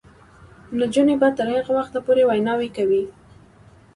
نجونې به تر هغه وخته پورې ویناوې کوي.